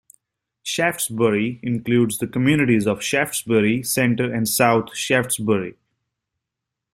Shaftsbury includes the communities of Shaftsbury Center and South Shaftsbury.